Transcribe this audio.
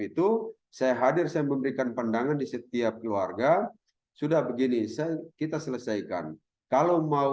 itu saya hadir saya memberikan pandangan di setiap keluarga sudah begini saya kita selesaikan kalau mau